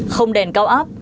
không đèn cao áp